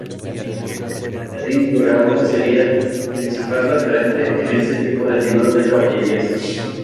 Amadís de Gaula sería el principal referente en este tipo de libros de caballerías.